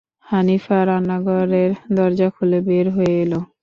হানিফা রান্নাঘরের দরজা খুলে বের হয়ে এল।